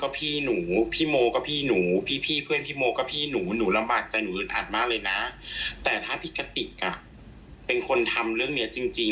พี่เป็นคนที่เลี้ยมากเลี้ยจริง